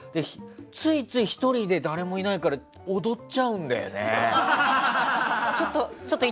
ついつい１人で誰もいないから踊っちゃうんだよね。